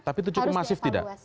tapi itu cukup masif tidak